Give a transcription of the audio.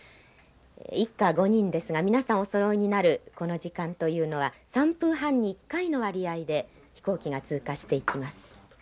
一家５人ですが皆さんおそろいになるこの時間というのは３分半に１回の割合で飛行機が通過していきます。